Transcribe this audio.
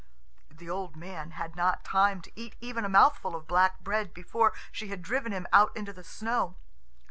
The old man had not time to eat even a mouthful of black bread before she had driven him out into the snow.